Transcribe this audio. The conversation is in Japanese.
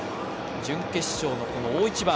準決勝の大一番。